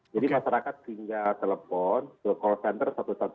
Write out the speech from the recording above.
jadi masyarakat tinggal telepon ke call center satu ratus dua belas